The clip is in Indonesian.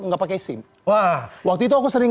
enggak pakai sim wah waktu itu aku sering